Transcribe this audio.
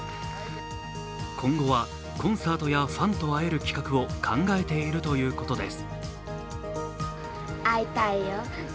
今後は、コンサートやファンと会える企画を考えているということです。